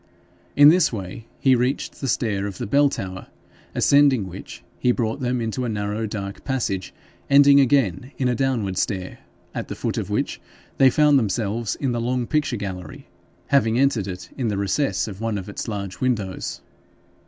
In this way he reached the stair in the bell tower, ascending which he brought them into a narrow dark passage ending again in a downward stair, at the foot of which they found themselves in the long picture gallery, having entered it in the recess of one of its large windows.